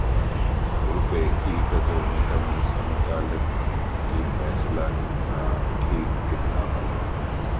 روپے کی قدر میں کمی سے متعلق حکومتی فیصلہ کتنا ٹھیک کتنا غلط